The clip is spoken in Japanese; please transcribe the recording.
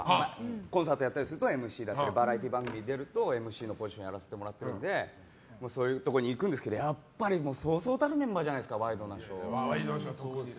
コンサートやったりしたらＭＣだったり、バラエティーでもＭＣのポジションをやらせてもらってるのでそういうところに行くんだけどやっぱりそうそうたるメンバーじゃないですか「ワイドナショー」は。